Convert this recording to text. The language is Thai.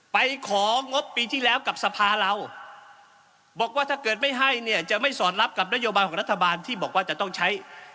ไปของงบปีที่แล้วกับสภาเราบอกว่าถ้าเกิดไม่ให้เนี่ยจะไม่สอดรับกับนโยบายของรัฐบาลที่บอกว่าจะต้องใช้